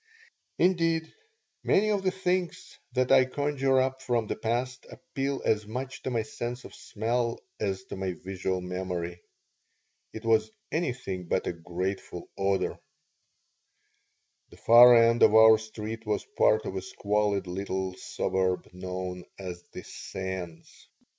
(Indeed, many of the things that I conjure up from the past appeal as much to my sense of smell as to my visual memory.) It was anything but a grateful odor The far end of our street was part of a squalid little suburb known as the Sands.